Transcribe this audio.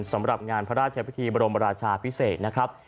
สำหรับงานพระราชพิธีบรมราชาพิเศษนะครับ